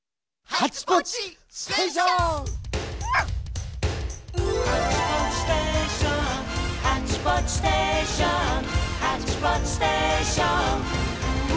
「ハッチポッチステーションハッチポッチステーション」「ハッチポッチステーション」